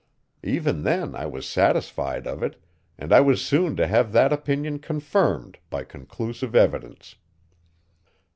Even then I was satisfied of it, and I was soon to have that opinion confirmed by conclusive evidence.